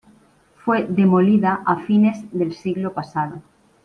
Fue demolida a fines del siglo pasado.